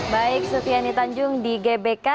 baik sufiani tanjung di gbk